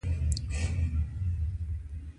بارونیانو د واک د کمزوري کولو موخه اقدامات وکړل.